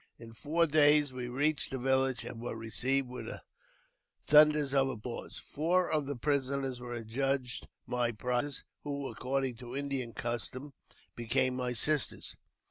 In four days we reached the village, and were received with " thunders of applause." Four of the i prisoners were adjudged my prizes, who, according to Indian I customs, became my sisters.